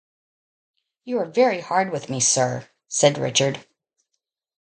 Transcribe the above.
"You are very hard with me, sir," said Richard.